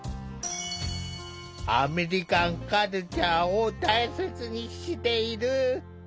アメリカンカルチャーを大切にしている！